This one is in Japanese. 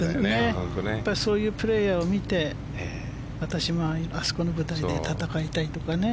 そういうプレーヤーを見て私もあそこの舞台で戦いたいとかね。